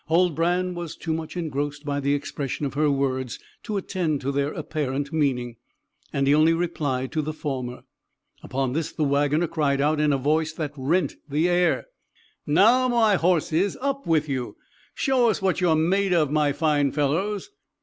Huldbrand was too much engrossed by the expression of her words to attend to their apparent meaning, and he only replied to the former. Upon this, the wagoner cried out in a voice that rent the air, "Now my horses, up with you; show us what you are made of, my fine fellows."